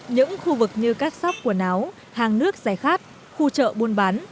những khu vực như các sóc quần áo hàng nước giải khát khu chợ buôn bán